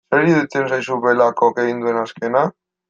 Zer iruditzen zaizu Belakok egin duen azkena?